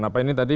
apa ini tadi